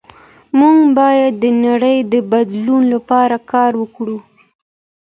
موږ باید د نړۍ د بدلون لپاره کار وکړو.